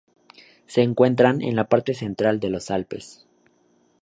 Se encuentran en la parte central de los Alpes.